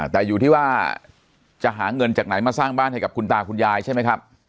แต่อยู่ที่ว่าจะหาเงินจากไหนมาสร้างบ้านให้กับคุณตาคุณยายใช่ไหมครับ